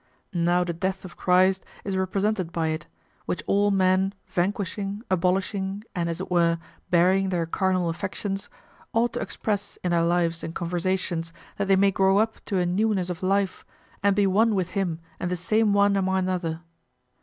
Now the death of Christ is represented by it, which all men, vanquishing, abolishing, and, as it were, burying their carnal affections, ought to express in their lives and conversations that they may grow up to a newness of life and be one with him and the same one among another.